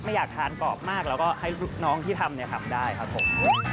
อยากทานกรอบมากแล้วก็ให้ลูกน้องที่ทำเนี่ยทำได้ครับผม